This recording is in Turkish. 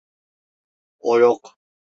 O yok.